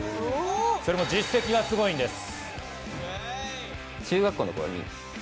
それも実績がすごいんです。